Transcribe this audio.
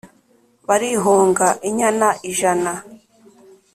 barihonga inyana ijana